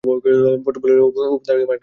পটু বলিল, অপু-দা একটা গান কর না?